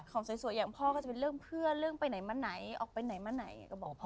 สวยอย่างพ่อก็จะเป็นเรื่องเพื่อนเรื่องไปไหนมาไหนออกไปไหนมาไหนก็บอกพ่อ